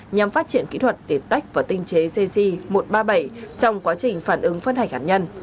nhằm phát triển kỹ thuật để tách và tinh chế cc một trăm ba mươi bảy trong quá trình phản ứng phân hạch hạt nhân